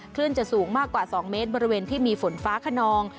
คลื่นจะสูงมากกว่า๒เมตรบริเวณที่มีฝนฟ้าขนอง